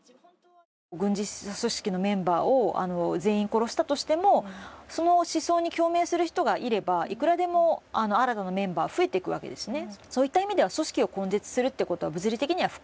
軍事組織のメンバーを全員殺したとしてもその思想に共鳴する人がいればいくらでも新たなメンバーが増えていくわけですね。